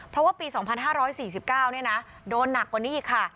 เพราะว่าปี๒๕๔๙โดนหนักกว่านี้อีกค่ะ